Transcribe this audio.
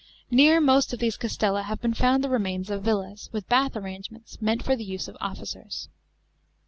* Near most of these castella have been found the remains of villas, with bath arrangements, meaut for ttie use of officers.